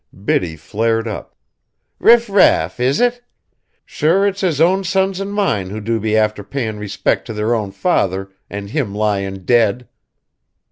Biddy flared up. "Riff raff, is it? Sure it's his own sons and mine who do be after paying respect to their own father, and him lying dead!"